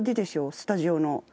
スタジオの。